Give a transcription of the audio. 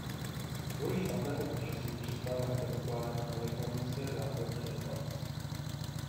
Kvůli špatnému počasí přistál raketoplán na kalifornské základně Edwards.